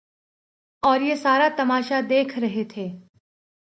اوریہ سارا تماشہ دیکھ رہے تھے۔